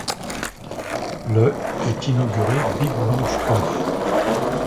Le est inauguré Big Bang Schtroumpf.